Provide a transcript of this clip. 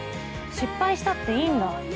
失敗したっていいんだ。